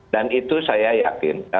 dan itu saya yakin